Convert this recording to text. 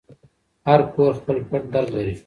هر کور خپل پټ درد لري.